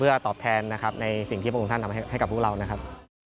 เพื่อตอบแทนในสิ่งที่พระองค์ท่านทำให้กับพวกเรานะครับ